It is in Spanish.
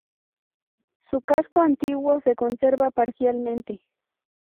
Su casco antiguo se conserva parcialmente.